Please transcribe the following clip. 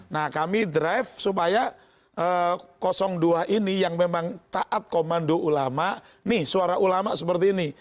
nah kami drive supaya dua ini yang memang taat komando ulama nih suara ulama seperti ini